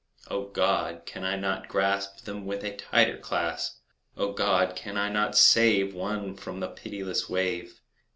O God! can I not grasp Them with a tighter clasp? O God! can I not save One from the pitiless wave?